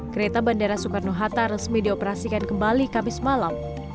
kereta bandara soekarno hatta resmi dioperasikan kembali kamis malam